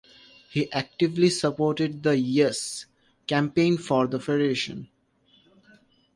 He actively supported the "Yes" campaign for Federation.